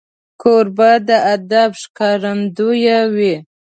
کوربه د ادب ښکارندوی وي.